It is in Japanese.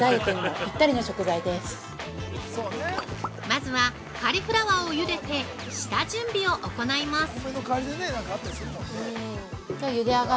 ◆まずは、カリフラワーをゆでて下準備を行います。